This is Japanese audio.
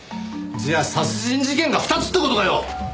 じゃあ殺人事件が２つって事かよ！？